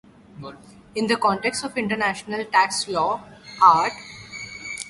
In the context of international tax law, art.